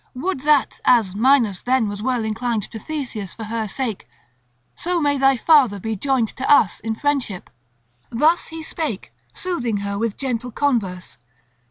Would that, as Minos then was well inclined to Theseus for her sake, so may thy father be joined to us in friendship!" Thus he spake, soothing her with gentle converse.